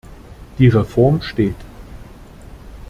Die Reform steht.